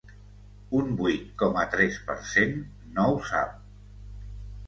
Un vuit coma tres per cent no ho sap.